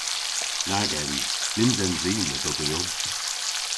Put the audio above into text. Nag ens. Nyns ens i medhogyon.